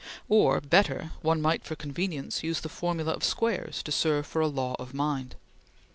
Or better, one might, for convenience, use the formula of squares to serve for a law of mind.